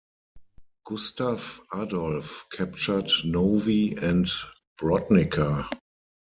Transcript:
Gustav Adolf captured Nowy and Brodnica.